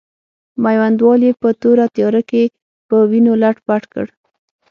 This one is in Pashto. میوندوال یې په توره تیاره کې په وینو لت پت کړ.